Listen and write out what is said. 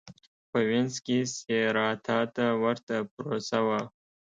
په وینز کې سېراتا ته ورته پروسه وه.